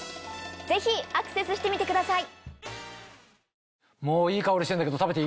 ぜひアクセスしてみてください。